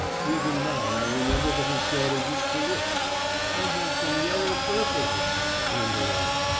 Even now I remember that his daughter used to lisp: "I have thome yellow thlipperth," and the like.